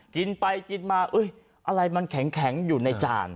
กินไปกินมาอะไรมันแข็งอยู่ในจาน